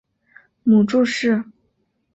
母祝氏。